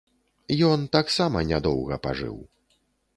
Ён таксама нядоўга пажыў.